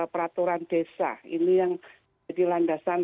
peraturan desa ini yang jadi landasan